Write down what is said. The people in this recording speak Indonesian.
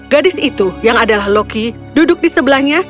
gadis itu yang adalah loki duduk di sebelahnya